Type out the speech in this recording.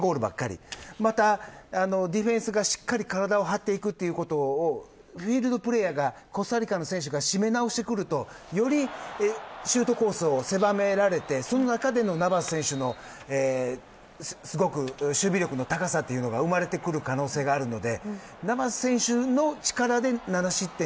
またディフェンスがしっかりと体を張っていくということをフィールドプレーヤーがコスタリカの選手が締め直してくるとよりシュートコースを狭められてその中でのナヴァス選手の守備力の高さが生まれてくる可能性があります。